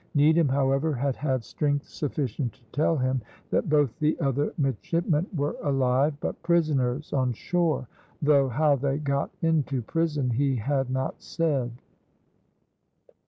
Needham, however, had had strength sufficient to tell him that both the other midshipmen were alive, but prisoners on shore; though how they got into prison he had not said.